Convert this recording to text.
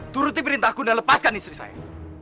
turutin perintahku dan lepaskan istri saya